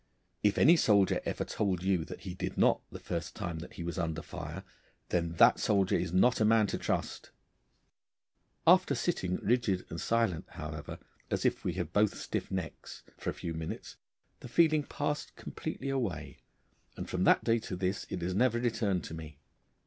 If any soldier ever told you that he did not the first time that he was under fire, then that soldier is not a man to trust. After sitting rigid and silent, however, as if we had both stiff necks, for a very few minutes, the feeling passed completely away, and from that day to this it has never returned to me.